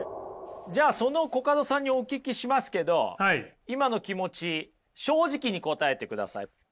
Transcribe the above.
じゃあそのコカドさんにお聞きしますけど今の気持ち正直に答えてください。